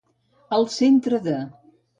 Al centre de.